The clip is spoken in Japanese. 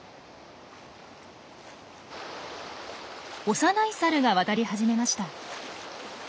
幼いサルが渡り始めました。